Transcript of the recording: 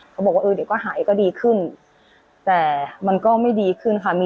เขาบอกว่าเออเดี๋ยวก็หายก็ดีขึ้นแต่มันก็ไม่ดีขึ้นค่ะ